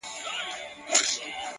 فقير نه يمه سوالگر دي اموخته کړم.